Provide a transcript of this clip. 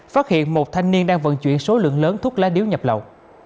phát hiện một thanh niên đang vận chuyển số lượng lớn thuốc lá điếu nhập lậu